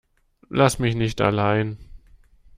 Lass mich nicht allein.